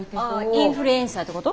インフルエンサーってこと？